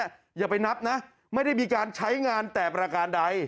อย่าไปนับนะไม่ได้มีการใช้งานแต่ประการใด